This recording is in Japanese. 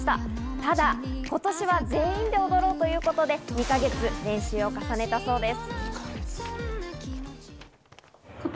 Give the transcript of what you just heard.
ただ、今年は全員で踊ろうということで２か月、練習を重ねたそうです。